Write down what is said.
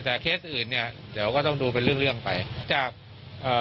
แต่เคสอื่นเนี้ยเดี๋ยวก็ต้องดูเป็นเรื่องเรื่องไปจากเอ่อ